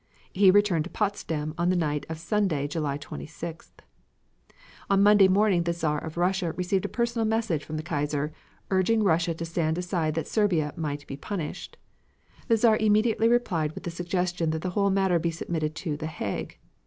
He returned to Potsdam on the night of Sunday, July 26th. On Monday morning the Czar of Russia received a personal message from the Kaiser, urging Russia to stand aside that Serbia might be punished. The Czar immediately replied with the suggestion that the whole matter be submitted to The Hague.